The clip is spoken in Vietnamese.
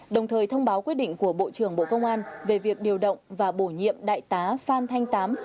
đồng thời thông báo quyết định của bộ trưởng bộ công an về việc điều động và bổ nhiệm đại tá phan thanh tám